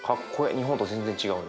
日本と全然違うね。